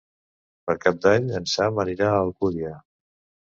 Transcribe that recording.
Per Cap d'Any en Sam anirà a Alcúdia.